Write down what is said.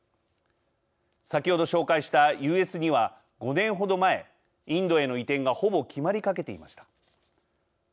先ほど紹介したＵＳ―２は５年程前、インドへの移転がほぼ決まりかけていました。